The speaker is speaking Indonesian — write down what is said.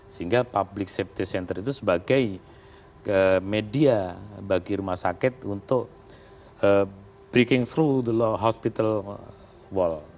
sehingga public safety center itu sebagai media bagi rumah sakit untuk breaking seru the law hospital wall